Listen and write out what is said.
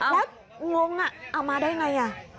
แล้วงงเอามาได้อย่างไร